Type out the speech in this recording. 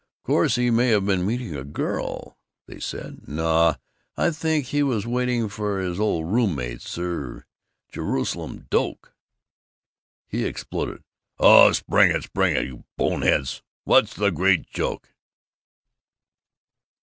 "Of course he may have been meeting a girl," they said, and "No, I think he was waiting for his old roommate, Sir Jerusalem Doak." He exploded, "Oh, spring it, spring it, you boneheads! What's the great joke?"